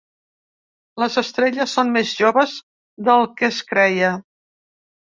Les estrelles són més joves del que es creia.